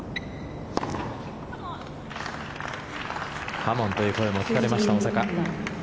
カモンという声も聞かれました大坂。